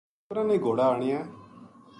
نوکراں نے گھوڑا آنیا